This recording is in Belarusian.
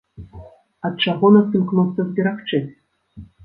Ад чаго нас імкнуцца зберагчы?